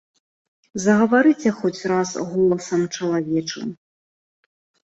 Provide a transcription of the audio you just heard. Загаварыце хоць раз голасам чалавечым.